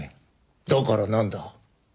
だからなんだ？